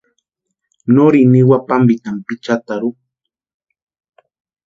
Norini niwa pámpitani Pichataru.